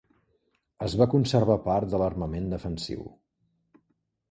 Es va conservar part de l'armament defensiu.